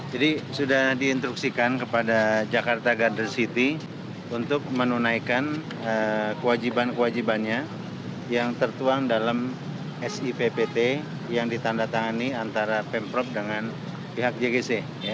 jadi sudah diinstruksikan kepada jakarta garden city untuk menunaikan kewajiban kewajibannya yang tertuang dalam sippt yang ditandatangani antara pemprov dengan pihak jgc